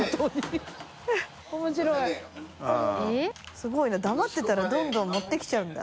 すごいな黙ってたらどんどん持ってきちゃうんだ。